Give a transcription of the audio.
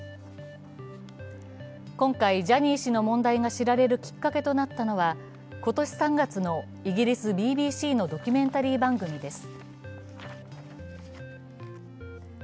今回、ジャニー氏の問題が知られるきっかけとなったのは、今年３月のイギリス・ＢＢＣのドキュメンタリー番組です。